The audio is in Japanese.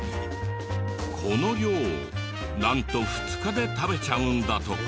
この量をなんと２日で食べちゃうんだとか。